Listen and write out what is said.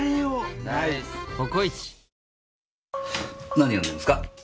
何読んでるんですか？